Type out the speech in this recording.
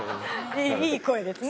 いい声ですね。